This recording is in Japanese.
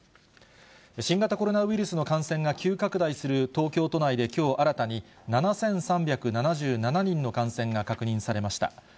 新型コロナウイルスの感染が急拡大する東京都内できょう新たに７３７７人の感染が確認されました。